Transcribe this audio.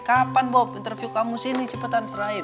kapan bom interview kamu sini cepetan selain